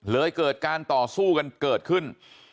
เกิดการต่อสู้กันเกิดขึ้น